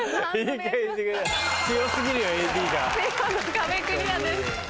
見事壁クリアです。